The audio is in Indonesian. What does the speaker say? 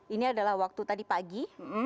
ini adalah waktu tadi pagi